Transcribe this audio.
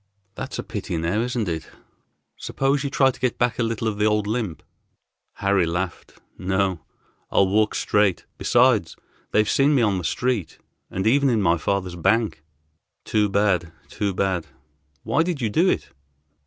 "That's a pity, now, isn't it? Suppose you try to get back a little of the old limp." Harry laughed. "No, I'll walk straight. Besides they've seen me on the street, and even in my father's bank." "Too bad, too bad. Why did you do it?"